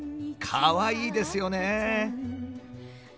かわいいですよね。